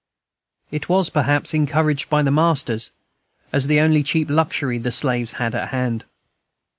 It was, perhaps, encouraged by the masters, as the only cheap luxury the slaves had at hand.